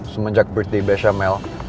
semenjak birthday besha mel